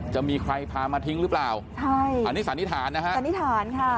จะมีใครพามาทิ้งหรือเปล่าใช่อันนี้สันนิษฐานนะฮะสันนิษฐานค่ะ